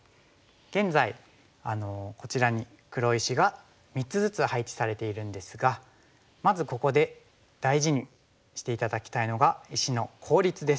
現在こちらに黒石が３つずつ配置されているんですがまずここで大事にして頂きたいのが石の効率です。